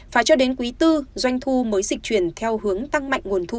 phải cho đến quý iv doanh thu mới dịch chuyển theo hướng tăng mạnh nguồn thu